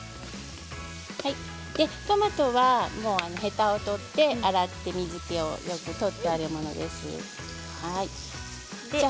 トマトはヘタを取って洗って水けをよく取ったものです。